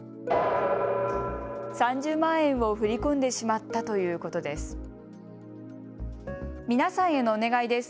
３０万円を振り込んでしまったということです。